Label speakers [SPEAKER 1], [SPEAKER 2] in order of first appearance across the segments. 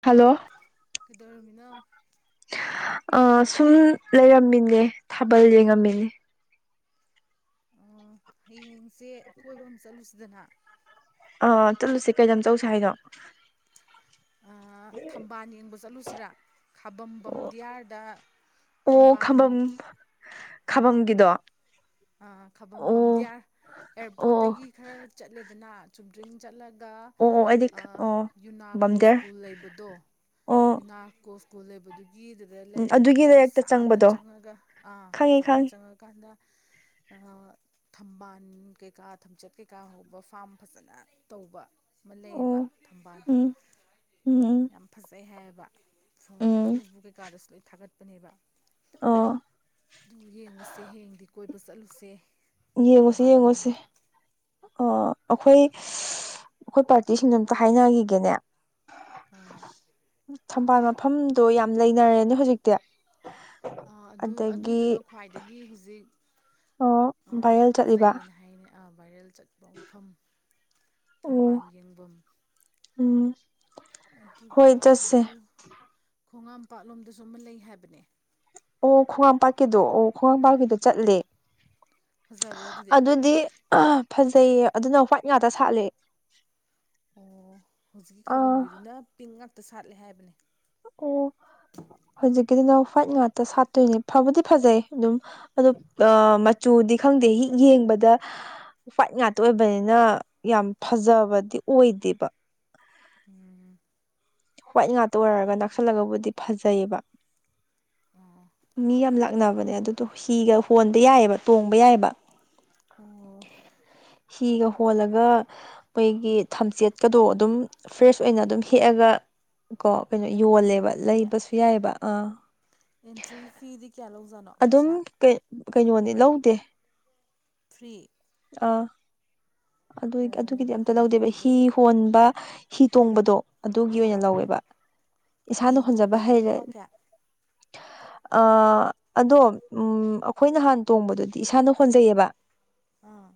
[SPEAKER 1] hello ꯀꯗꯔꯃꯤꯅꯥ
[SPEAKER 2] ꯑ ꯁꯨꯝ ꯂꯩꯔꯝꯃꯤꯅꯦ ꯊꯥꯕꯜ ꯌꯦꯡꯉꯝꯃꯤꯅꯦ
[SPEAKER 1] ꯑꯣ ꯍꯌꯦꯡꯁꯦ ꯀꯣꯏꯕ ꯑꯃ ꯆꯠꯂꯨꯁꯤꯗꯅ
[SPEAKER 2] ꯑ ꯆꯠꯂꯨꯁ ꯀꯩꯗꯝ ꯇꯧꯁꯤꯦ ꯍꯥꯏꯅꯣ
[SPEAKER 1] ꯊꯝꯕꯥꯜ ꯌꯦꯡꯕ ꯆꯠꯂꯨꯁꯤꯔꯥ ꯈꯥꯕꯝꯕꯝ
[SPEAKER 2] ꯑꯣ
[SPEAKER 1] ꯗꯤꯌꯥꯔꯗ
[SPEAKER 2] ꯑꯣ ꯈꯥꯝꯕꯝ
[SPEAKER 1] ꯑꯥ
[SPEAKER 2] ꯈꯥꯕꯝꯒꯤꯗꯣ
[SPEAKER 1] ꯈꯥꯕꯝ
[SPEAKER 2] ꯑꯣ
[SPEAKER 1] ꯄꯝꯗꯤꯌꯥꯔ
[SPEAKER 2] ꯑꯣ ꯑꯣ
[SPEAKER 1] ꯑꯦꯌꯥꯔꯄꯣꯔꯠꯇꯒꯤ ꯈꯔ ꯆꯠꯂꯦꯗꯅ ꯆꯨꯝꯗ꯭ꯔꯤꯡ ꯆꯠꯂꯒ
[SPEAKER 2] ꯑꯣ ꯑꯣ ꯑꯩꯗꯤ
[SPEAKER 1] ꯑꯥ
[SPEAKER 2] ꯑꯣ
[SPEAKER 1] ꯌꯨꯅꯥꯀꯣ
[SPEAKER 2] ꯕꯝꯗꯦꯔ
[SPEAKER 1] ꯁ꯭ꯀꯨꯜ ꯂꯩꯕꯗꯣ
[SPEAKER 2] ꯑꯣ
[SPEAKER 1] ꯌꯨꯅꯥꯀꯣ ꯁ꯭ꯀꯨꯜ ꯂꯩꯕꯗꯨꯒꯤꯗꯨꯗ
[SPEAKER 2] ꯎꯝ ꯑꯗꯨꯒꯤ
[SPEAKER 1] ꯂꯩꯔꯛꯇ ꯁꯥꯡꯅ
[SPEAKER 2] ꯆꯪꯕꯗꯣ
[SPEAKER 1] ꯆꯪꯉꯒ ꯑꯥ
[SPEAKER 2] ꯈꯪꯉꯦ
[SPEAKER 1] ꯁꯥꯡꯅ
[SPEAKER 2] ꯈꯪꯉꯦ
[SPEAKER 1] ꯆꯪꯉꯀꯥꯟꯗ ꯑ ꯊꯝꯕꯥꯜ ꯀꯩꯀꯥ ꯊꯝꯆꯠ ꯀꯩꯀꯥ ꯍꯧꯕ ꯐꯥꯝ ꯐꯖꯅ ꯇꯧꯕ ꯑꯃ ꯂꯩꯌꯦꯕ
[SPEAKER 2] ꯑꯣ
[SPEAKER 1] ꯊꯝꯕꯥꯜ
[SPEAKER 2] ꯎꯝ ꯎꯝ
[SPEAKER 1] ꯌꯥꯝ ꯐꯖꯩ ꯍꯥꯏꯕ
[SPEAKER 2] ꯎꯝ
[SPEAKER 1] ꯐꯦꯁꯕꯨꯛ ꯀꯩꯀꯥꯗꯁꯨ ꯂꯣꯏ ꯊꯥꯒꯠꯄꯅꯦꯕ
[SPEAKER 2] ꯑꯣ
[SPEAKER 1] ꯑꯗꯨ ꯌꯦꯡꯉꯨꯁꯦ ꯍꯌꯦꯡꯗꯤ ꯀꯣꯏꯕ ꯆꯠꯂꯨꯁꯦ
[SPEAKER 2] ꯌꯦꯉꯣꯁꯤꯦ
[SPEAKER 1] ꯊꯝꯕꯥꯜ
[SPEAKER 2] ꯌꯦꯉꯣꯁꯦ
[SPEAKER 1] ꯌꯦꯡꯕ
[SPEAKER 2] ꯑꯣ ꯑꯩꯈꯣꯏ ꯑꯩꯈꯣꯏ ꯄꯥꯔꯇꯤꯁꯤꯡꯗ ꯑꯝꯇ ꯍꯥꯏꯅꯈꯤꯒꯦꯅꯦ
[SPEAKER 1] ꯑꯥ
[SPEAKER 2] ꯊꯝꯕꯥꯜ ꯃꯐꯝꯗꯣ ꯌꯥꯝ ꯂꯩꯅꯔꯦꯅꯦ ꯍꯧꯖꯤꯛꯇꯤ
[SPEAKER 1] ꯑꯗꯨ
[SPEAKER 2] ꯑꯗꯒꯤ
[SPEAKER 1] ꯑꯗꯨꯗꯨꯅ ꯈ꯭ꯋꯥꯏꯗꯒꯤ ꯍꯧꯖꯤꯛ
[SPEAKER 2] ꯑꯣ
[SPEAKER 1] ꯑ
[SPEAKER 2] ꯚꯥꯏꯔꯦꯜ ꯆꯠꯂꯤꯕ
[SPEAKER 1] ꯐꯖꯩꯌꯦꯅ ꯍꯥꯏꯅ ꯑ ꯆꯠꯄ ꯃꯐꯝ
[SPEAKER 2] ꯑꯣ
[SPEAKER 1] ꯊꯝꯕꯥꯜ ꯌꯦꯡꯐꯝ
[SPEAKER 2] ꯎꯝ ꯍꯣꯏ
[SPEAKER 1] ꯑꯗꯨꯒ
[SPEAKER 2] ꯆꯠꯁꯦ
[SPEAKER 1] ꯑꯗꯨ ꯈꯣꯡꯉꯥꯝ ꯄꯥꯠꯂꯣꯝꯗꯁꯨ ꯑꯃ ꯂꯩ ꯍꯥꯏꯕꯅꯦ
[SPEAKER 2] ꯑꯣ ꯈ꯭ꯋꯥꯡꯝꯄꯥꯛꯀꯤꯗꯣ ꯑꯣ ꯈ꯭ꯋꯥꯡꯝꯄꯥꯛꯀꯤꯗ ꯆꯠꯂꯦ
[SPEAKER 1] ꯐꯖꯕ꯭ꯔꯣ ꯑꯗꯨꯗꯤ
[SPEAKER 2] ꯐꯖꯩꯌꯦ ꯑꯗꯨꯅ ꯋꯥ꯭ꯋꯥꯏꯠ ꯉꯥꯛꯇ ꯁꯥꯠꯂꯦ
[SPEAKER 1] ꯑꯣ ꯍꯧꯖꯤꯛꯀꯤ
[SPEAKER 2] ꯑꯥ
[SPEAKER 1] ꯈꯥꯕꯝꯒꯤꯗꯨꯅ ꯄꯤꯡ ꯉꯥꯛꯇ ꯁꯥꯠꯂꯦ ꯍꯥꯏꯕꯅꯦ
[SPEAKER 2] ꯀꯅ ꯍ꯭ꯋꯥꯏꯠ ꯉꯥꯛꯇ ꯁꯥꯠꯇꯣꯏꯅꯦ ꯐꯕꯨꯗꯤ ꯐꯖꯩ ꯑꯗꯨꯝ ꯑ ꯃꯆꯨꯗꯤ ꯈꯪꯗꯦ ꯌꯦꯡꯕꯗ ꯋꯥ꯭ꯏꯠ ꯉꯥꯛꯇ ꯑꯣꯏꯕꯅꯤꯅ ꯌꯥꯝ ꯐꯖꯕꯗꯤ ꯑꯣꯏꯗꯦꯕ
[SPEAKER 1] ꯎꯝ
[SPEAKER 2] ꯋꯥꯏꯠ ꯉꯥꯛꯇ ꯑꯣꯏꯔꯒ ꯅꯛꯁꯜꯂꯒꯕꯨꯗꯤ ꯐꯖꯩꯑꯌꯦꯕ ꯃꯤ ꯌꯥꯝ ꯂꯥꯛꯅꯕꯅꯦ ꯑꯗꯨꯗꯣ ꯍꯤꯒ ꯍꯣꯟꯕ ꯌꯥꯏꯑꯕ ꯇꯣꯡꯕ ꯌꯥꯏꯑꯕ
[SPEAKER 1] ꯎꯝ
[SPEAKER 2] ꯍꯤꯒ ꯍꯣꯜꯂꯒ ꯃꯣꯏꯒꯤ ꯊꯝꯆꯦꯠꯀꯗꯣ ꯑꯗꯨꯝ ꯐ꯭ꯔꯦꯁ ꯑꯣꯏꯅ ꯑꯗꯨꯝ ꯍꯦꯛꯑꯒ ꯀꯣ ꯀꯩꯅꯣ
[SPEAKER 1] ꯌꯥꯝ ꯐꯩꯅꯦ
[SPEAKER 2] ꯌꯣꯜꯂꯦꯕ
[SPEAKER 1] ꯑꯗꯨꯗꯤ
[SPEAKER 2] ꯂꯩꯕꯁꯨ ꯌꯥꯏꯑꯕ ꯑꯥ
[SPEAKER 1] ꯑꯦꯟꯇ꯭ꯔꯤ ꯐꯤꯗꯤ ꯀꯌꯥ ꯂꯧꯖꯥꯠꯅꯣ
[SPEAKER 2] ꯑꯗꯨꯝ
[SPEAKER 1] ꯄꯩꯁꯥ
[SPEAKER 2] ꯀꯩꯅꯣꯅꯤ ꯂꯧꯗꯦ
[SPEAKER 1] ꯐ꯭ꯔꯤ
[SPEAKER 2] ꯑ ꯑꯗꯨ
[SPEAKER 1] ꯑꯣ ꯌꯥꯝ
[SPEAKER 2] ꯑꯗꯨꯒꯤꯗꯤ ꯑꯝꯇ
[SPEAKER 1] ꯐꯩꯅꯦ
[SPEAKER 2] ꯂꯧꯗꯦꯕ
[SPEAKER 1] ꯑꯗꯨꯗꯤ
[SPEAKER 2] ꯍꯤ ꯍꯣꯟꯕ ꯍꯤ ꯇꯣꯡꯕꯗꯣ ꯑꯗꯨꯒꯤ ꯑꯣꯏꯅ
[SPEAKER 1] ꯑꯥ
[SPEAKER 2] ꯂꯧꯋꯦꯕ
[SPEAKER 1] ꯍꯤ
[SPEAKER 2] ꯏꯁꯥꯅ ꯍꯣꯟꯖꯕ
[SPEAKER 1] ꯇꯣꯡꯕꯒꯤ
[SPEAKER 2] ꯍꯩꯔꯦ
[SPEAKER 1] ꯂꯨꯄꯥ ꯀꯌꯥ [unintelligible]
[SPEAKER 2] ꯑ ꯑꯗꯣ ꯎꯝ ꯑꯩꯈꯣꯏ ꯅꯍꯥꯟ ꯇꯣꯡꯕꯗꯨꯗꯤ ꯏꯁꯥꯅ ꯍꯣꯟꯖꯩꯌꯦꯕ
[SPEAKER 1] ꯑꯥ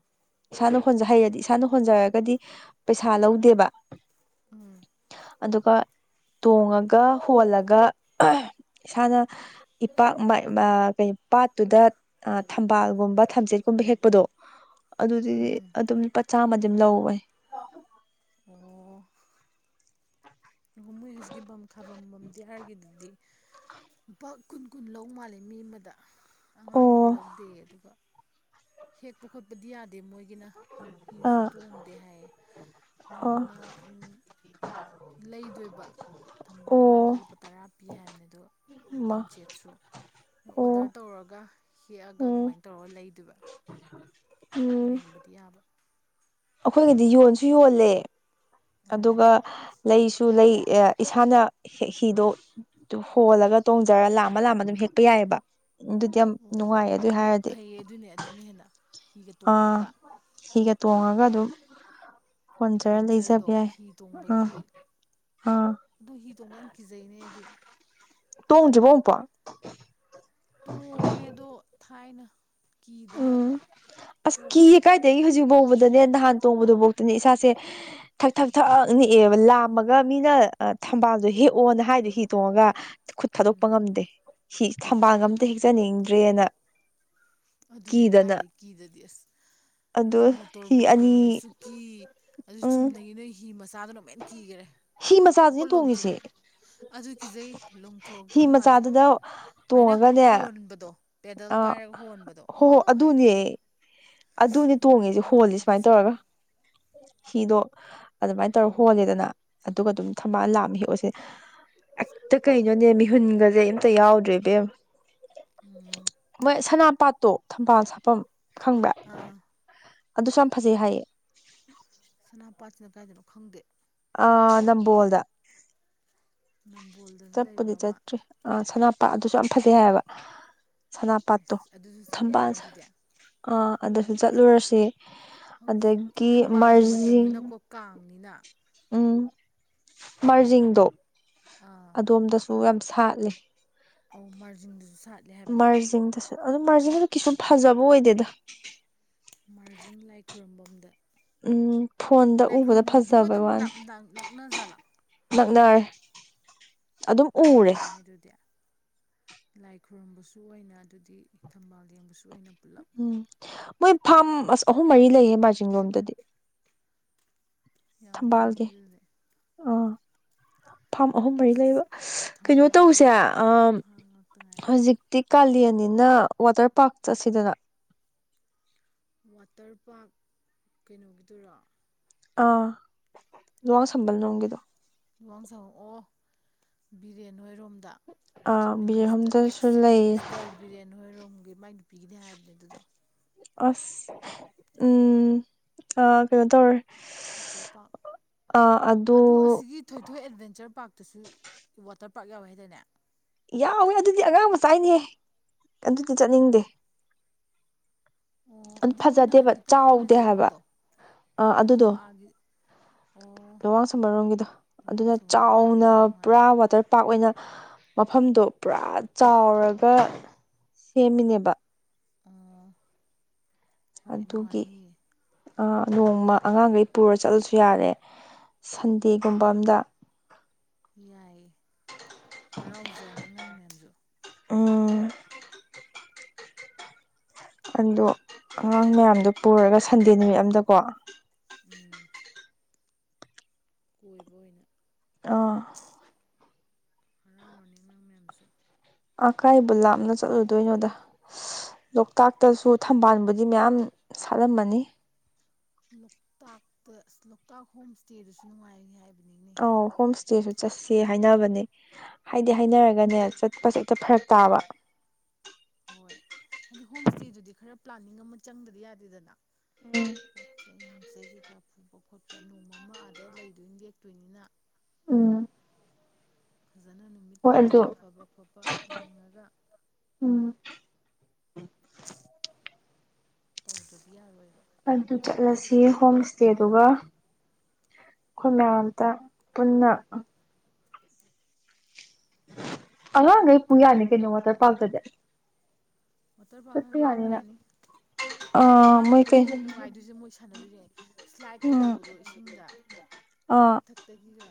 [SPEAKER 2] ꯏꯁꯥꯅ ꯍꯣꯟꯖ ꯍꯩꯔꯗꯤ ꯏꯁꯥꯅ ꯍꯣꯟꯖꯔꯒꯗꯤ ꯄꯩꯁꯥ ꯂꯧꯗꯦꯕ
[SPEAKER 1] ꯎꯝ
[SPEAKER 2] ꯑꯗꯨꯒ ꯇꯣꯡꯉꯒ ꯍꯣꯜꯂꯒ ꯏꯁꯥꯅ ꯏꯄꯥꯛ ꯄꯥꯠꯇꯨꯗ ꯊꯝꯕꯥꯜꯒꯨꯝꯕ ꯊꯝꯆꯦꯠꯀꯨꯝꯕ ꯍꯦꯛꯄꯗꯣ ꯑꯗꯨꯗꯤ ꯆꯥꯝꯃꯗꯤꯝ ꯂꯧꯋꯦ
[SPEAKER 1] ꯑꯣ ꯃꯣꯏ ꯍꯧꯖꯤꯛꯀꯤ ꯕꯝ ꯈꯥꯐꯝꯝꯝꯕꯝꯗꯤ ꯌꯥꯔꯒ ꯑꯗꯨꯗꯤ ꯂꯨꯄꯥ ꯀꯨꯟ ꯀꯨꯟ ꯂꯧ ꯃꯥꯜꯂꯤꯦ ꯃꯤ ꯑꯃꯗ ꯑꯉꯥꯡꯒꯤꯗꯤ
[SPEAKER 2] ꯑꯣ
[SPEAKER 1] ꯂꯧꯗꯦ ꯑꯗꯨꯒ ꯍꯦꯠꯄꯈꯨꯠꯄꯗꯤ ꯌꯥꯗ ꯑꯗꯩ ꯃꯣꯏꯒꯤꯅ ꯐꯤꯁꯨ
[SPEAKER 2] ꯑꯥ
[SPEAKER 1] ꯇꯣꯡꯗꯦ ꯍꯥꯏꯌꯦ
[SPEAKER 2] ꯑꯥ
[SPEAKER 1] ꯃꯣꯏꯒꯤꯅ ꯂꯩꯗꯣꯏꯕ ꯊꯝꯕꯥꯜ
[SPEAKER 2] ꯑꯣ
[SPEAKER 1] ꯑꯃꯗ ꯂꯨꯄꯥ ꯇꯔꯥ ꯄꯤ ꯍꯥꯏꯕꯅꯦ ꯑꯗꯣ
[SPEAKER 2] ꯃꯥ
[SPEAKER 1] ꯊꯝꯆꯦꯠꯁꯨ ꯑꯣꯗꯔ
[SPEAKER 2] ꯑꯣ
[SPEAKER 1] ꯇꯧꯔꯒ ꯍꯦꯛꯑꯒ
[SPEAKER 2] ꯎꯝ
[SPEAKER 1] ꯑꯗꯨꯃꯥꯏꯅ ꯇꯧꯔꯒ ꯂꯩꯗꯨꯣꯏꯕ
[SPEAKER 2] ꯎꯝ
[SPEAKER 1] ꯌꯦꯡꯕꯗꯤ ꯌꯥꯕ
[SPEAKER 2] ꯑꯩꯈꯣꯏꯒꯤꯗꯤ ꯌꯣꯟꯁꯨ ꯌꯣꯜꯂꯦ
[SPEAKER 1] ꯎꯝ
[SPEAKER 2] ꯑꯗꯨꯒ ꯂꯩꯁꯨ ꯂꯩ ꯑꯦ ꯏꯁꯥꯅ ꯍꯤꯗꯣ ꯍꯣꯜꯂꯒ ꯇꯣꯡꯖꯔꯒ ꯂꯥꯝꯃ ꯂꯥꯝꯃ ꯑꯗꯨꯝ ꯍꯦꯛꯄ ꯌꯥꯏꯑꯕ ꯑꯗꯨꯗꯤ ꯌꯥꯝ
[SPEAKER 1] ꯑꯣ
[SPEAKER 2] ꯅꯨꯡꯉꯥꯏ ꯑꯗꯨ
[SPEAKER 1] ꯌꯥꯝ
[SPEAKER 2] ꯍꯥꯏꯔꯗꯤ
[SPEAKER 1] ꯐꯩꯌꯦ ꯑꯗꯨꯅꯦ ꯑꯗꯨꯅ ꯍꯦꯟꯅ ꯍꯤꯒ
[SPEAKER 2] ꯑꯥ
[SPEAKER 1] ꯇꯣꯡꯉꯒ
[SPEAKER 2] ꯍꯤꯒ ꯇꯣꯡꯉꯒ ꯑꯗꯨꯝ ꯍꯣꯟꯖꯔ
[SPEAKER 1] ꯑꯦꯠꯚꯦꯟꯆꯔꯗꯣ
[SPEAKER 2] ꯂꯩꯖꯕ ꯌꯥꯏ
[SPEAKER 1] ꯍꯤ
[SPEAKER 2] ꯑꯥ
[SPEAKER 1] ꯇꯣꯡꯕꯒꯤ
[SPEAKER 2] ꯑꯥ
[SPEAKER 1] ꯑꯗꯨ ꯍꯤꯗꯣꯡꯕ ꯌꯥꯝ ꯀꯤꯖꯩꯅꯦꯗꯤ
[SPEAKER 2] ꯇꯣꯡꯣꯡꯖꯕꯝꯄꯥꯥ
[SPEAKER 1] ꯇꯣꯡꯉꯦꯗꯣ ꯊꯥꯏꯅ ꯀꯤꯗꯅ
[SPEAKER 2] ꯎꯝ ꯑꯁ ꯀ
[SPEAKER 1] ꯇꯣꯛꯈ꯭ꯔꯦ
[SPEAKER 2] ꯀꯥꯏꯗ ꯍꯧꯖꯤꯛꯕꯧ ꯣꯡꯗꯅꯦ ꯅꯍꯥꯟ ꯇꯣꯡꯕꯗꯨꯐꯥꯎꯇꯅꯦ ꯏꯁꯥꯁꯦ ꯊꯛ ꯊꯛ ꯊꯛꯛꯅꯤꯛꯑꯦꯕ ꯂꯥꯝꯃꯒ ꯃꯤꯅ ꯊꯝꯕꯥꯜꯁꯨꯣ ꯍꯦꯛꯑꯣꯅ ꯍꯥꯏꯗꯣ ꯍꯤ ꯇꯣꯡꯉꯒ ꯈꯨꯠ ꯊꯥꯗꯣꯛꯄ ꯉꯝꯗꯦ ꯍꯤ ꯊꯝꯕꯥꯜ ꯑꯝꯇ ꯍꯦꯛꯆꯅꯤꯡꯗ꯭ꯔꯦꯅ
[SPEAKER 1] ꯑꯗꯨꯅꯦ
[SPEAKER 2] ꯀꯤꯗꯅ
[SPEAKER 1] ꯀꯥꯏꯗꯩ ꯀꯤꯗꯗꯤ ꯑꯁ
[SPEAKER 2] ꯑꯗꯣ ꯍꯤ
[SPEAKER 1] ꯃꯣꯇꯣꯔꯕꯣꯠ
[SPEAKER 2] ꯑꯅꯤ
[SPEAKER 1] ꯇꯣꯡꯕꯁꯨ ꯀꯤ ꯑꯗꯨ
[SPEAKER 2] ꯎꯝ
[SPEAKER 1] ꯆꯨꯝꯅꯉꯤ ꯅꯣꯏ ꯍꯤ ꯃꯆꯥꯗꯨꯅꯃꯦꯟ ꯀꯤꯈꯔꯦ
[SPEAKER 2] ꯍꯤ ꯃꯆꯥꯁꯤꯅ ꯇꯣꯡꯉꯁꯦ
[SPEAKER 1] ꯑꯗꯨꯒꯤꯖꯩ ꯂꯣꯡꯊꯣꯔꯗꯧ ꯃꯥꯜꯂꯦ
[SPEAKER 2] ꯃꯆꯥꯗꯨꯗ
[SPEAKER 1] ꯁꯨꯃꯥꯏꯅ
[SPEAKER 2] ꯇꯣꯡꯉꯒꯅꯦ
[SPEAKER 1] ꯍꯣꯟꯕꯗꯣ ꯄꯦꯗꯜ
[SPEAKER 2] ꯑꯥ
[SPEAKER 1] ꯄꯥꯏꯔꯒ ꯍꯣꯟꯕꯗ
[SPEAKER 2] ꯍꯣ ꯍꯣ ꯑꯗꯨꯅꯦ ꯑꯗꯨꯅꯦ
[SPEAKER 1] ꯎꯝ
[SPEAKER 2] ꯇꯣꯡꯉꯦꯁꯦ
[SPEAKER 1] ꯑꯗꯨꯅ
[SPEAKER 2] ꯍꯣꯜꯂꯤꯦ
[SPEAKER 1] ꯍꯦꯟꯅ
[SPEAKER 2] ꯁꯨꯃꯥꯏꯅ
[SPEAKER 1] ꯀꯤꯖꯩ
[SPEAKER 2] ꯇꯧꯔꯒ
[SPEAKER 1] [inaudible]
[SPEAKER 2] ꯍꯤꯗꯣ ꯑꯗꯨꯃꯥꯏꯅ ꯇꯧꯔ ꯍꯣꯜꯂꯦꯗꯅ ꯑꯗꯨꯒ ꯑꯗꯨꯝ ꯊꯝꯕꯥꯜ ꯂꯥꯑꯃꯦ ꯍꯦꯛꯑꯣꯁꯦ ꯍꯛꯇ ꯀꯩꯅꯣꯅꯦ ꯃꯤꯍꯨꯟꯒꯁꯦ ꯑꯝꯇ ꯌꯥꯎꯗ꯭ꯔꯦꯕꯦꯝ ꯃꯣꯏ ꯁꯅꯥꯄꯥꯥꯠꯇꯣ ꯊꯝꯕꯥꯜ ꯁꯥꯐꯝ ꯈꯪꯕ꯭ꯔ
[SPEAKER 1] ꯑꯥ
[SPEAKER 2] ꯑꯗꯨꯁꯨ ꯌꯥꯝ ꯐꯖꯩ ꯍꯥꯏꯌꯦ
[SPEAKER 1] ꯁꯅꯥꯄꯥꯥꯠꯁꯤꯅ ꯀꯥꯏꯗꯅꯣ ꯈꯪꯗꯦ
[SPEAKER 2] ꯑ ꯅꯝꯕꯣꯜꯗ
[SPEAKER 1] ꯅꯝꯕꯣꯜꯗꯁꯨ
[SPEAKER 2] ꯆꯠꯄꯨꯗꯤ
[SPEAKER 1] ꯂꯩꯕ꯭ꯔꯥ ꯑꯃ
[SPEAKER 2] ꯆꯠꯇ꯭ꯔꯤ ꯑ ꯁꯅꯥꯄꯥ ꯑꯗꯨꯁꯨ ꯌꯥꯝ ꯐꯖꯩ ꯍꯥꯏꯌꯦꯕ ꯁꯅꯥꯄꯥꯥꯠꯇꯣ
[SPEAKER 1] ꯑꯁ ꯑꯗꯨꯁꯨ ꯆꯠ ꯌꯥꯏꯅꯦ
[SPEAKER 2] ꯊꯝꯕꯥꯜꯁꯨ
[SPEAKER 1] ꯑꯗꯨꯗꯤ
[SPEAKER 2] ꯑꯥ ꯑꯗꯨꯁꯨ ꯆꯠꯂꯨꯔꯁ
[SPEAKER 1] ꯍꯧꯖꯤꯛꯇꯤ ꯊꯝꯕꯥꯜꯒꯤ ꯃꯇꯝꯅꯤꯅꯀꯣ ꯀꯥꯡꯅꯤꯅ
[SPEAKER 2] ꯎꯝ ꯃꯥꯖꯤꯡꯗꯣ
[SPEAKER 1] ꯑꯥ
[SPEAKER 2] ꯑꯗꯣꯝꯗꯁꯨ ꯌꯥꯝ ꯁꯥꯠꯂ
[SPEAKER 1] ꯑ ꯃꯥꯔꯖꯤꯟꯗꯨꯁꯨ
[SPEAKER 2] ꯃꯥꯔꯖꯤꯡꯗꯁꯨ ꯑꯗꯨ ꯃꯥꯔꯖꯤꯡꯗꯁꯨ ꯀꯩꯁꯨ ꯐꯖꯕ ꯑꯣꯏꯗꯦꯗ
[SPEAKER 1] ꯃꯥꯔꯖꯤꯤꯡ ꯂꯥꯏ ꯈꯨꯔꯨꯝꯐꯝꯝꯗ
[SPEAKER 2] ꯎꯝ ꯐꯣꯟꯗ ꯎꯕꯗ ꯐꯖꯕꯩ
[SPEAKER 1] ꯑꯗꯨꯝ
[SPEAKER 2] ꯋꯥꯅꯤ
[SPEAKER 1] ꯅꯛꯅꯖꯥꯠꯂꯥ
[SPEAKER 2] ꯅꯣꯏ
[SPEAKER 1] ꯌꯥꯏꯅꯦ ꯑꯗꯨꯗꯤ ꯂꯥꯏ ꯈꯨꯔꯨꯝꯕꯁꯨ ꯑꯣꯏꯅ ꯑꯗꯨꯗꯤ ꯊꯝꯕꯥꯜ ꯌꯦꯡꯕꯁꯨ ꯑꯣꯏꯅ ꯄꯨꯂꯞ
[SPEAKER 2] ꯎꯝ ꯃꯣꯏ ꯐꯥꯝ ꯑꯁ ꯑꯍꯨꯝ ꯃꯔꯤ ꯂꯩꯌꯦꯦ ꯕꯥꯔꯖꯤꯡꯂꯣꯝꯗꯗꯤ
[SPEAKER 1] ꯌꯥꯕꯩꯔꯦ
[SPEAKER 2] ꯐꯥꯔꯝ ꯑꯍꯨꯝ ꯃꯔꯤ ꯂꯩꯕ ꯀꯩꯅꯣ
[SPEAKER 1] ꯊꯝꯕꯥꯜꯒꯤ
[SPEAKER 2] ꯇꯧꯁꯦ
[SPEAKER 1] ꯐꯥꯝ ꯉꯥꯛꯇ ꯉꯥꯏꯔꯦ
[SPEAKER 2] ꯍꯧꯖꯤꯛꯇꯤ ꯀꯥꯂꯦꯟ ꯅꯤꯅ ꯋꯥꯇꯔ ꯄꯥꯔꯛ ꯆꯠꯁꯤꯗꯅ
[SPEAKER 1] ꯋꯥꯇꯔ ꯄꯥꯔꯛ ꯀꯩꯅꯣꯒꯤꯗꯨꯔꯥ
[SPEAKER 2] ꯑꯥ ꯂꯡ ꯁꯝꯕꯜ ꯅꯣꯡꯒꯤꯗꯣ
[SPEAKER 1] ꯂꯨꯋꯥꯡ ꯁꯪꯉꯛꯑꯣ ꯕꯤꯔꯦꯟ ꯅꯣꯏꯔꯣꯝ ꯗ
[SPEAKER 2] ꯑꯥ
[SPEAKER 1] ꯆꯤꯞ ꯃꯤꯅꯤꯁꯇꯔ
[SPEAKER 2] ꯕꯤꯔꯍꯝꯗꯁꯨ
[SPEAKER 1] ꯑꯦꯛꯁ ꯆꯤꯞ
[SPEAKER 2] ꯂꯩ
[SPEAKER 1] ꯃꯤꯅꯤꯁꯇꯔ ꯕꯤꯔꯦꯟ ꯍꯣꯏꯏꯔꯣꯒꯤ ꯃꯥꯒꯤ ꯄꯤꯒꯅꯤꯦ ꯍꯥꯏꯕꯅꯦ ꯑꯗꯨꯗꯣ
[SPEAKER 2] ꯑꯁ ꯎꯝ ꯑ ꯀꯩꯅꯣ ꯇꯧꯦ
[SPEAKER 1] ꯃꯇꯜ ꯄꯥꯛꯞ ꯑꯗꯨ ꯑꯁꯤꯒꯤ ꯊꯣꯏꯊꯣꯏ ꯑꯦꯠꯚꯦꯟꯆꯔ ꯄꯥꯔꯛꯇꯁꯨ ꯋꯥꯇꯔ ꯄꯥꯔꯛ ꯌꯥꯎꯋꯦ ꯍꯥꯏꯇꯥꯔꯅꯦ
[SPEAKER 2] ꯌꯥꯎꯋꯦ ꯑꯗꯨꯗꯤ ꯑꯉꯥꯡ ꯃ ꯆꯥꯏꯅꯤꯍ ꯑꯗꯨꯗꯤ ꯆꯠꯅꯤꯡꯗꯦ
[SPEAKER 1] ꯑꯣ ꯑꯗꯨ ꯃꯣꯏ
[SPEAKER 2] ꯐꯖꯗꯦꯕ
[SPEAKER 1] ꯅꯍꯥꯟ ꯏꯇꯥ ꯑꯣꯏꯅ
[SPEAKER 2] ꯆꯥꯎꯗꯦ ꯍꯥꯏꯕ
[SPEAKER 1] ꯆꯠꯂꯨꯕꯗꯣ ꯑꯗꯨꯗꯣ ꯑꯥꯒꯤ ꯑꯣ
[SPEAKER 2] ꯂꯨꯋꯥꯡ ꯁꯝꯕꯔꯣꯝꯒꯤꯗꯣ ꯑꯗꯨꯅ
[SPEAKER 1] ꯂꯨꯋꯥꯡꯁꯥꯡꯒꯤꯗꯣ ꯑꯗꯨꯗꯣ
[SPEAKER 2] ꯆꯥꯎꯅ
[SPEAKER 1] ꯌꯥꯝ
[SPEAKER 2] ꯄꯨꯔꯥ
[SPEAKER 1] ꯅꯨꯡꯉꯥꯏꯅꯦ
[SPEAKER 2] ꯋꯥꯇꯔ ꯄꯥꯛꯔ ꯑꯣꯏꯅ ꯃꯐꯝꯗꯣ ꯄꯨꯔꯥ ꯆꯥꯎꯔꯒ ꯁꯦꯝꯃꯤꯅꯦꯕ
[SPEAKER 1] ꯑꯣ ꯍꯣꯏ
[SPEAKER 2] ꯑꯗꯨꯒꯤ
[SPEAKER 1] ꯅꯨꯡꯉꯥꯏꯅꯤ
[SPEAKER 2] ꯅꯣꯡꯃ ꯑꯉꯥꯡꯈꯩ ꯄꯨꯔ ꯆꯠꯂꯁꯨ ꯌꯥꯔꯦ ꯁꯟꯗꯦꯒꯨꯝꯕ ꯑꯝꯗ
[SPEAKER 1] ꯌꯥꯏꯌꯦ ꯍꯔꯥꯎꯖꯔꯅꯤ ꯑꯉꯥꯡ ꯃꯌꯥꯝꯁꯨ
[SPEAKER 2] ꯑꯣ ꯑꯣ ꯑꯉꯥꯡ ꯃꯌꯥꯝꯗꯣ ꯄꯨꯔꯒ ꯁꯟꯗꯦ ꯅꯨꯃꯤꯠ ꯑꯝꯗꯀꯣ
[SPEAKER 1] ꯎꯝ ꯀꯣꯏꯕ ꯑꯣꯏꯅ
[SPEAKER 2] ꯑꯥ
[SPEAKER 1] ꯍꯔꯥꯎꯔꯅꯤ ꯑꯉꯥꯡ ꯃꯌꯥꯝꯁꯨ
[SPEAKER 2] ꯑꯀꯥꯏꯕ ꯂꯥꯞꯅ ꯆꯠꯂꯨꯗꯣꯏꯅꯣꯗ ꯂꯣꯛꯇꯥꯛꯇꯁꯨ ꯊꯝꯕꯥꯟꯕꯨꯗꯤ ꯃꯌꯥꯝ ꯁꯥꯠꯂꯝꯃꯅꯤ
[SPEAKER 1] ꯂꯣꯛꯇꯥꯛꯇ ꯂꯣꯛꯇꯥꯛ ꯍꯣꯝ ꯏꯁꯇꯦꯗꯨꯁꯨ ꯅꯨꯡꯉꯥꯏꯅꯤ ꯍꯥꯏꯕꯅꯤ
[SPEAKER 2] ꯑ ꯍꯣꯝ ꯏꯁꯇꯦꯁꯨ ꯆꯠꯁꯦ ꯍꯥꯏꯅꯕꯅꯦ ꯍꯥꯏꯗꯤ ꯍꯥꯏꯅꯔꯒꯅꯦ ꯆꯠꯄꯁꯦ ꯍꯦꯛꯇ ꯐꯔꯛ ꯇꯥꯕ
[SPEAKER 1] [inaudible] ꯍꯣꯏ ꯍꯥꯏꯗꯤ ꯍꯣꯝ ꯏꯁꯇꯦꯗꯨꯗꯤ ꯈꯔ ꯄ꯭ꯂꯥꯅꯤꯡ ꯑꯃ ꯆꯪꯗꯗꯤ ꯌꯥꯗꯦꯗꯅ ꯄꯣꯠ ꯆꯩꯩ ꯅꯨꯡꯆꯩ ꯀꯩꯀꯥ ꯐꯨꯕ ꯈꯣꯠꯄ ꯅꯣꯡꯃ ꯑꯃ ꯑꯥꯗ ꯂꯩꯗꯣꯏꯅꯤ ꯌꯦꯛꯇꯣꯏꯅꯤꯅ
[SPEAKER 2] ꯎꯝ
[SPEAKER 1] ꯐꯖꯅ ꯅꯨꯃꯤꯠ
[SPEAKER 2] ꯍꯣꯏ ꯑꯗꯨ
[SPEAKER 1] ꯀꯩꯀꯥꯗꯣ ꯑꯐꯕ ꯈꯣꯠꯄ ꯌꯦꯡꯉꯒ
[SPEAKER 2] ꯎꯝ
[SPEAKER 1] ꯑꯥꯎꯗꯤꯔ ꯑꯣꯏ
[SPEAKER 2] ꯑꯗꯨ ꯆꯠꯂꯁꯤ ꯍꯣꯝ ꯏꯁꯇꯦꯗꯨꯒ ꯑꯩꯈꯣꯏ ꯃꯌꯥꯝ ꯑꯝꯇ ꯄꯨꯟꯅ ꯑꯉꯥꯡꯈꯩ ꯄꯨꯌꯥꯅꯤ ꯀꯩꯅꯣ ꯋꯥꯇ ꯄꯥꯛꯇꯗ
[SPEAKER 1] ꯋꯥꯇꯔ ꯄꯥ ꯑꯉꯥꯡꯈꯩ ꯄꯨ ꯌꯥꯅꯤ
[SPEAKER 2] ꯑꯥ ꯃꯣꯏ
[SPEAKER 1] ꯑꯉꯥꯡꯈꯩꯩꯅ
[SPEAKER 2] ꯀꯩ
[SPEAKER 1] ꯍꯦꯟꯅ ꯅꯨꯡꯉꯥꯏꯗꯣꯏꯁꯦ ꯃꯣꯏ ꯁꯥꯟꯅꯗꯣꯏꯁꯨ ꯌꯥꯏ ꯏꯁꯂꯥꯏꯠꯀ
[SPEAKER 2] ꯎꯝ
[SPEAKER 1] ꯇꯧꯕꯗꯣ ꯏꯁꯤꯡꯗ
[SPEAKER 2] ꯑꯥ
[SPEAKER 1] ꯃꯊꯛꯇꯒꯤꯒ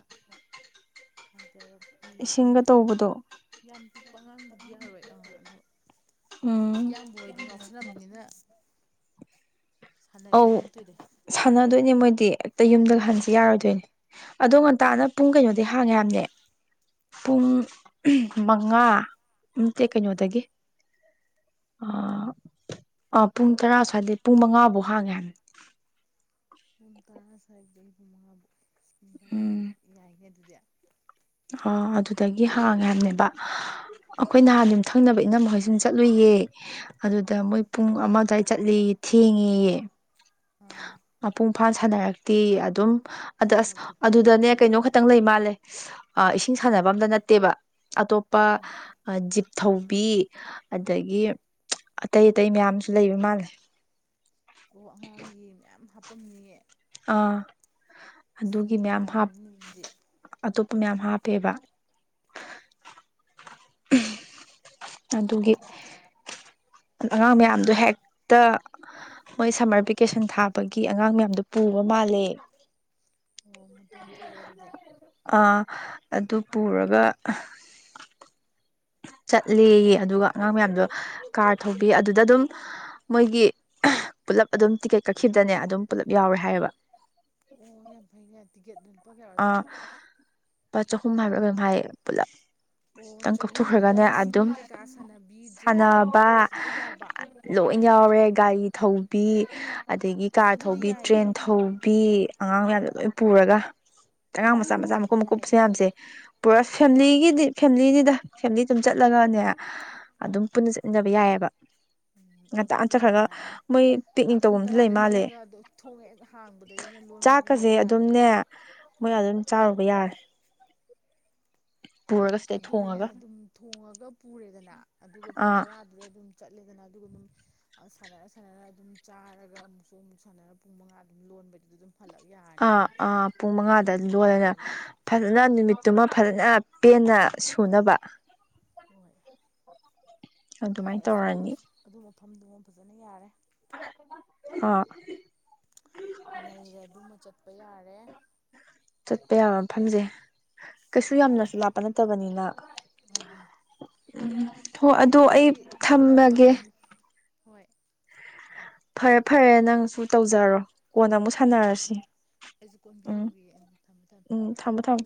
[SPEAKER 1] ꯖꯔ
[SPEAKER 2] ꯏꯁꯤꯡꯒ ꯇꯧꯕꯗꯣ
[SPEAKER 1] ꯂꯄꯉꯥꯡꯕꯨꯗꯤ ꯌꯥꯔꯔꯣꯏ ꯑꯥ ꯑꯗꯣ
[SPEAKER 2] ꯎꯝ
[SPEAKER 1] ꯀꯌꯥꯝꯕꯨ ꯍꯗꯤ ꯉꯥꯎꯁꯂꯝꯝꯅꯤꯅꯤꯅ
[SPEAKER 2] ꯑꯧ
[SPEAKER 1] ꯍꯥꯏꯔꯛꯇꯣꯏꯅꯦ
[SPEAKER 2] ꯁꯥꯟꯅꯗꯣꯏ ꯅꯦ ꯃꯣꯏꯗꯤꯛꯇ ꯌꯨꯝꯗ ꯍꯟꯁꯤ ꯌꯥꯔꯣꯏꯗꯣꯏꯅꯦ ꯑꯗꯣ ꯉꯟꯇꯥꯅ ꯄꯨꯡ ꯀꯩꯅꯣꯗꯤꯩ ꯍꯥꯡꯉꯦ ꯌꯥꯝꯅꯦ ꯄꯨꯡ ꯃꯉꯥ ꯇꯦ ꯀꯩꯅꯣꯗꯒꯤ ꯑ ꯑ ꯄꯨꯡ ꯇꯔꯥ ꯁ꯭ꯋꯥꯏꯗꯩ ꯄꯨꯡ ꯃꯉꯥ ꯐꯧ ꯅꯨꯐꯥꯒꯟ
[SPEAKER 1] ꯄꯨꯡ ꯇꯔꯥ ꯁꯗꯤ ꯌꯥꯏꯅꯦꯦ ꯑꯗꯨꯗꯤ
[SPEAKER 2] ꯑ ꯑꯗꯨꯗꯒꯤ ꯍꯥꯡꯉ ꯍꯥꯏꯕꯅꯦꯕ ꯑꯩꯈꯣꯏ ꯅꯍꯥꯟ ꯑꯗꯨꯝ ꯊꯪꯅꯕ ꯏꯅꯝ ꯃꯈꯩ ꯁꯨꯝ ꯆꯠꯂꯨꯏꯌꯦ ꯑꯗꯨꯗ
[SPEAKER 1] ꯑꯥ
[SPEAKER 2] ꯃꯣꯏ ꯄꯨꯡ ꯑꯃ ꯑ ꯑꯗꯨꯋꯥꯏ ꯆꯠꯂꯤ ꯊꯦꯡꯉ
[SPEAKER 1] ꯑꯥ
[SPEAKER 2] ꯃꯄꯨꯡ ꯐꯥꯅ ꯁꯥꯟꯅꯔꯛꯇꯤ ꯑꯗꯨꯝ ꯑꯗ ꯑꯁ
[SPEAKER 1] ꯁꯥꯟꯅꯕꯗꯣ
[SPEAKER 2] ꯑꯗꯨꯗꯅꯦ
[SPEAKER 1] ꯄꯦꯜꯂꯝꯃꯔꯣꯏ
[SPEAKER 2] ꯀꯩꯅꯣ
[SPEAKER 1] ꯑꯗꯨꯗꯤ
[SPEAKER 2] ꯈꯛꯇꯪ ꯂꯩ ꯃꯥꯜꯂꯦ ꯏꯁꯤꯡ ꯁꯥꯟꯅꯕ ꯑꯝꯇ ꯅꯠꯇꯦꯕ ꯑꯇꯣꯞꯄ
[SPEAKER 1] ꯎꯝ
[SPEAKER 2] ꯖꯤꯞ ꯊꯧꯕꯤ ꯑꯗꯒꯤ ꯑꯇꯩ ꯑꯇꯩ ꯃꯌꯥꯝꯁꯨ ꯂꯩꯕ ꯃꯥꯜꯂꯦ
[SPEAKER 1] ꯄꯨꯨꯡꯉꯦ
[SPEAKER 2] ꯑꯗꯨꯒꯤ ꯃꯌꯥꯝ
[SPEAKER 1] ꯅꯨꯡꯉꯥꯏꯔꯝꯅꯤ ꯑꯗꯨꯗꯤ
[SPEAKER 2] ꯃꯌꯥꯝ ꯍꯥꯞꯄꯦꯕ ꯎ ꯑꯗꯨꯒꯤ ꯑꯉꯥꯡ ꯃꯌꯥꯝꯗꯣ ꯍꯦꯛꯇ ꯃꯣꯏ ꯁꯝꯃꯔ ꯚꯦꯀꯦꯁꯟ ꯊꯥꯕꯒꯤ ꯑꯉꯥꯡ ꯃꯌꯥꯝꯗꯣ ꯄꯨ ꯃꯥꯂꯦ
[SPEAKER 1] ꯑꯣ ꯃꯇꯣꯟ ꯊꯣꯛꯑꯦ ꯑꯗꯨꯗꯤ
[SPEAKER 2] ꯑꯥ ꯑꯗꯨ ꯄꯨꯔꯒ
[SPEAKER 1] [inaudible]
[SPEAKER 2] ꯆꯠꯂꯦ ꯑꯗꯨꯒ ꯑꯉꯥꯡ ꯃꯌꯥꯝꯗꯣ ꯀꯥꯔ ꯊꯧꯕꯤ ꯑꯗꯨꯗ ꯑꯗꯨꯝ ꯃꯣꯏꯒꯤ ꯄꯨꯜꯂꯞ ꯑꯗꯨꯝ ꯇꯤꯀꯦꯠ ꯀꯛꯈꯤꯕꯗꯅꯦ ꯑꯗꯨꯝ ꯄꯨꯂꯞ ꯌꯥꯎꯔꯦ ꯍꯥꯏꯌꯦꯕ
[SPEAKER 1] ꯑꯣ ꯌꯥꯝ ꯐꯩ ꯉꯥꯏ ꯇꯤꯀꯦꯠ ꯑꯗꯨꯅꯤ
[SPEAKER 2] ꯑ ꯆꯍꯨꯝ ꯍꯥꯏꯕ ꯍꯥꯏꯥꯏꯌꯦ ꯄꯨꯂꯞ
[SPEAKER 1] ꯑꯣ ꯆꯍꯨꯝꯗꯨꯗ ꯏꯁꯤꯡ ꯀꯩꯀꯥ ꯁꯥꯟꯅꯕꯤ ꯖꯤꯞ ꯅꯨꯡ
[SPEAKER 2] ꯁꯥꯟꯅꯕ
[SPEAKER 1] ꯀꯩꯀꯥꯁꯨ ꯂꯣꯏ ꯌꯥꯎꯕ
[SPEAKER 2] ꯂꯣꯏ ꯌꯥꯎꯔꯦ ꯒꯥꯔꯤ ꯊꯧꯕꯤ ꯑꯗꯒꯤ
[SPEAKER 1] ꯑꯁ
[SPEAKER 2] ꯀꯥꯔ
[SPEAKER 1] ꯑꯗꯨꯗꯤ
[SPEAKER 2] ꯊꯧꯕꯤ ꯇ꯭ꯔꯦꯟ
[SPEAKER 1] ꯌꯥꯏꯌꯦ
[SPEAKER 2] ꯊꯧꯕꯤ ꯑꯉꯥꯡ ꯂꯣꯏ ꯄꯨꯔꯒ ꯑꯉꯥꯡ
[SPEAKER 1] ꯑꯗꯨꯗꯤ
[SPEAKER 2] ꯃꯆꯥ
[SPEAKER 1] ꯌꯥꯝ
[SPEAKER 2] ꯃꯆꯥ
[SPEAKER 1] ꯊꯤꯅ
[SPEAKER 2] ꯃꯀꯨꯞ
[SPEAKER 1] ꯌꯥꯏꯌꯦ
[SPEAKER 2] ꯃꯀꯨꯞꯁꯦꯌꯥꯝꯁꯦ ꯄꯨꯔꯥ ꯐꯦꯃꯤꯂꯤꯒꯤꯗꯤ ꯐꯦꯂꯤꯗꯨꯗ ꯐꯦꯃꯤꯂꯤ ꯑꯗꯨꯝ ꯆꯠꯂꯒꯅꯦ ꯑꯗꯨꯝ ꯄꯨꯟꯅ ꯆꯠꯃꯤꯟꯅꯕ ꯌꯥꯏꯑꯕ
[SPEAKER 1] ꯎꯝ ꯎꯝ
[SPEAKER 2] ꯉꯟꯇꯥꯅ
[SPEAKER 1] ꯌꯥꯝ
[SPEAKER 2] ꯆꯠꯈ꯭ꯔꯒ
[SPEAKER 1] ꯅꯨꯡꯉꯥꯏꯅꯤ
[SPEAKER 2] ꯃꯣꯏ ꯄꯤꯛꯅꯤꯛ
[SPEAKER 1] ꯄꯨꯡ
[SPEAKER 2] ꯇꯧꯕꯝꯁꯨ ꯂꯩ
[SPEAKER 1] ꯇꯔꯥꯗꯩ
[SPEAKER 2] ꯃꯥꯜꯂꯦ
[SPEAKER 1] ꯆꯠꯂꯒ ꯑ ꯊꯣꯡꯉ ꯍꯦꯛ ꯍꯥꯡꯕꯗꯒꯤꯅ ꯂꯣꯟ
[SPEAKER 2] ꯆꯥꯛꯀꯁꯦ ꯑꯗꯨꯝꯅꯦ ꯃꯣꯏ ꯑꯗꯨꯝ ꯆꯥꯔꯨꯕ ꯌꯥꯔꯦ ꯄꯨꯔꯒ ꯁꯤꯗꯩ
[SPEAKER 1] ꯑꯗꯨꯅꯦ
[SPEAKER 2] ꯊꯣꯡꯉꯒ
[SPEAKER 1] ꯑꯗꯨꯝ ꯊꯣꯡꯉꯒ ꯄꯨꯔꯦꯗꯅ ꯑꯗꯨꯒ ꯄꯨꯡ
[SPEAKER 2] ꯑꯥ
[SPEAKER 1] ꯇꯔꯥꯗꯨꯗꯩ ꯑꯗꯨꯝ ꯆꯠꯂ ꯆꯠꯂꯦꯗꯅ ꯑꯗꯨꯒ ꯑꯗꯨꯝ ꯁꯥꯟꯅꯔ ꯁꯥꯟꯅꯔ ꯑꯗꯨꯝ ꯆꯥꯔꯒ ꯑꯃꯨꯛꯁꯨ ꯑꯃꯨꯛ ꯁꯥꯟꯅꯔ ꯄꯨꯡ ꯃꯉꯥ ꯑꯗꯨꯝ ꯂꯣꯟꯕꯗꯨꯗ ꯑꯗꯨꯝ ꯍꯜꯂꯛ ꯌꯥꯔꯅꯤ
[SPEAKER 2] ꯑꯥ
[SPEAKER 1] ꯑꯗꯨꯝ
[SPEAKER 2] ꯑꯥ ꯄꯨꯡ
[SPEAKER 1] ꯅꯨꯃꯤꯠꯇꯨꯃ
[SPEAKER 2] ꯃꯉꯥꯗ
[SPEAKER 1] ꯑꯗꯨꯝ
[SPEAKER 2] ꯂꯣꯜꯂꯅ
[SPEAKER 1] ꯀꯣꯟꯅꯅꯕ
[SPEAKER 2] ꯐꯖꯅ ꯅꯨꯃꯤꯠꯇꯨꯃ ꯐꯖꯅ ꯄꯦꯟꯅ ꯁꯨꯅꯕ
[SPEAKER 1] ꯍꯣꯏ ꯌꯥꯔꯦ
[SPEAKER 2] ꯑꯗꯨꯃꯥꯏꯅ
[SPEAKER 1] ꯑꯁ ꯑꯗꯨ
[SPEAKER 2] ꯇꯧꯔꯅꯤ
[SPEAKER 1] ꯑꯗꯨ ꯃꯐꯝꯗꯨꯃ ꯐꯖꯅ ꯌꯥꯔꯦ
[SPEAKER 2] ꯑ
[SPEAKER 1] ꯅꯩꯔꯦ ꯑꯗꯨꯃ ꯆꯠꯄ ꯌꯥꯔꯦ
[SPEAKER 2] ꯆꯠꯄ ꯌꯥꯕ ꯃꯐꯝꯁꯦ ꯀꯩꯁꯨ ꯌꯥꯝꯅꯁꯨ ꯂꯥꯞꯄ ꯅꯠꯇꯕꯅꯤꯅ
[SPEAKER 1] ꯑꯥ ꯑꯥ
[SPEAKER 2] ꯎꯝ ꯍꯣ
[SPEAKER 1] ꯍꯣꯏ
[SPEAKER 2] ꯑꯗꯨ ꯑꯩ
[SPEAKER 1] ꯑꯗꯨꯗꯤ ꯑꯥ
[SPEAKER 2] ꯊꯝꯃꯒꯦ
[SPEAKER 1] ꯑꯥ ꯍꯣꯏ
[SPEAKER 2] ꯐꯔꯦ
[SPEAKER 1] ꯊꯝꯃꯣ ꯊꯝꯃꯣ
[SPEAKER 2] ꯐꯔꯦ ꯅꯪꯁꯨ ꯇꯧꯖꯔꯣ ꯀꯣꯟꯅ ꯑꯃꯨꯛ
[SPEAKER 1] ꯍꯣꯏ ꯍꯣꯏ
[SPEAKER 2] ꯁꯥꯟꯅꯔꯁꯤ
[SPEAKER 1] ꯍꯣꯏ ꯑꯩꯁꯨ ꯀꯣꯟ
[SPEAKER 2] ꯎꯝ
[SPEAKER 1] ꯐꯦꯡꯉꯨꯒꯤꯒꯦ ꯊꯝꯃꯦ ꯊꯝꯃꯦ
[SPEAKER 2] ꯎꯝ ꯊꯝꯃꯣ ꯊꯝꯃꯣ